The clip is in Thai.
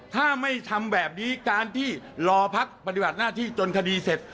ถ้าไม่ทำแบบนี้การที่รอพักปฏิบัติหน้าที่จนคดีเสร็จ